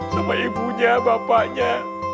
sama ibunya bapaknya